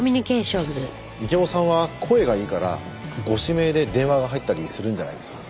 池母さんは声がいいからご指名で電話が入ったりするんじゃないですか？